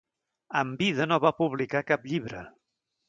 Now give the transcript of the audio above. En vida no va publicar cap llibre.